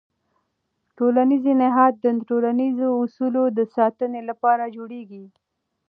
ټولنیز نهاد د ټولنیزو اصولو د ساتنې لپاره جوړېږي.